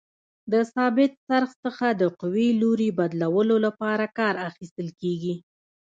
د ثابت څرخ څخه د قوې لوري بدلولو لپاره کار اخیستل کیږي.